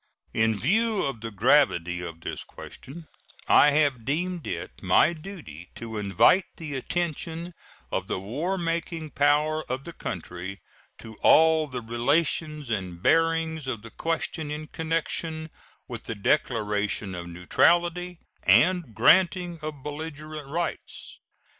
In view of the gravity of this question, I have deemed it my duty to invite the attention of the war making power of the country to all the relations and bearings of the question in connection with the declaration of neutrality and granting of belligerent rights.